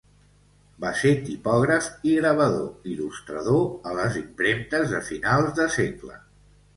Va ser tipògraf i gravador il·lustrador a les impremtes de finals de segle.